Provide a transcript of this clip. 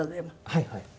はいはい。